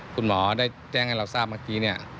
คุณหมอได้แจ้งให้เราทราบเมื่อกี้เนี่ย